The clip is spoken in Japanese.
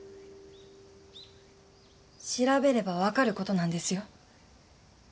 調べればわかることなんですよ？